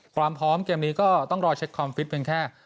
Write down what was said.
ความพร้อมเกมนี้ก็ต้องรอเช็คความฟิตเป็นแค่